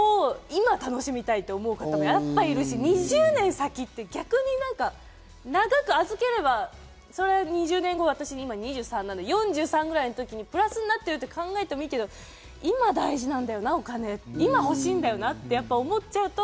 今楽しみたいという人もいると思うし、２０年先というと逆に長く預ければ２０年後、私、今２３なので４３のときにプラスになっていると考えてもいいけど、今、大事なんだよな、今、欲しいんだよなと思っちゃうと。